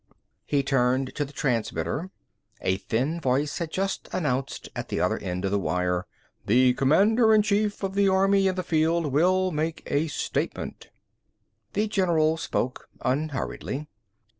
He turned to the transmitter. A thin voice had just announced at the other end of the wire, "The commander in chief of the army in the field will make a statement." The general spoke unhurriedly.